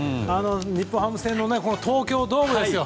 日本ハム戦の東京ドームですよ